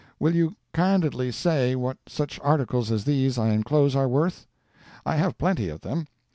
Will you candidly say what such articles as these I enclose are worth? I have plenty of them.